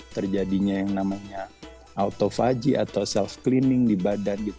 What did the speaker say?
terjadinya yang namanya autofagi atau self cleaning di badan gitu